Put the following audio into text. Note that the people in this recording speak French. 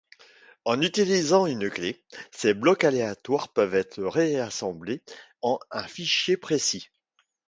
En utilisant une clef, ces blocs aléatoires peuvent être ré-assemblés en un fichier précis.